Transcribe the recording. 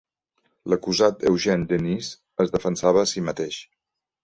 L'acusat Eugene Dennis es defensava a sí mateix.